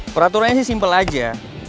peraturannya sih simple aja